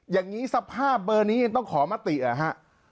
อย่างนี้สภาพเบอร์นี้ยังต้องขอมติเหรอฮะ